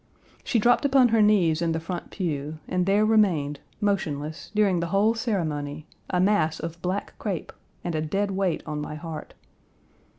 She dropped upon her knees in the front pew, and there remained, motionless, during the whole ceremony, a mass of black crepe, and a dead weight on my heart.